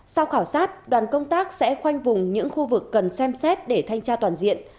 sau khảo sát đoàn công tác sẽ khoanh vùng những khu vực cần xem xét để thanh tra toàn diện